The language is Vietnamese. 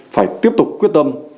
phải tiếp tục quyết tâm